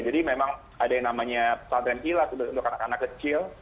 jadi memang ada yang namanya padreng hilas untuk anak anak kecil